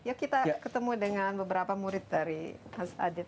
yuk kita ketemu dengan beberapa murid dari mas adit